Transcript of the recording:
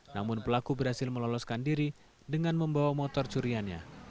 namun pelaku berhasil meloloskan diri dengan membawa motor curiannya